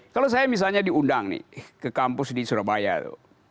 kalau saya misalnya diundang nih ke kampus di surabaya itu